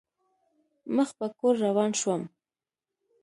مخ په کور روان شوم.